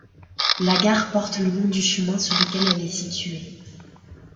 La gare porte le nom du chemin sur lequel elle est située.